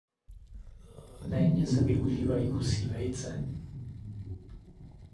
Méně se využívají husí vejce.